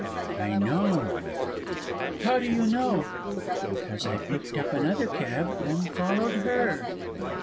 I know!" "How do you know?" "Because I picked up another cab and followed her!"